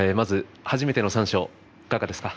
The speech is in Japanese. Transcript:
初めての三賞いかがですか。